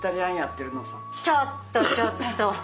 ちょっとちょっと。